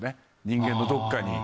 人間のどっかに。